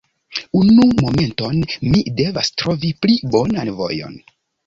Unu momenton, mi devas trovi pli bonan vojon